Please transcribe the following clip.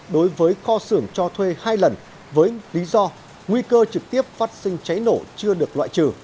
đối với kho xưởng cho thuê hai lần với lý do nguy cơ trực tiếp phát sinh cháy nổ chưa được loại trừ